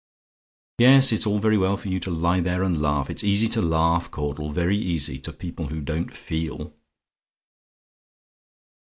Yes, it's very well for you to lie there and laugh; it's easy to laugh, Caudle very easy, to people who don't feel.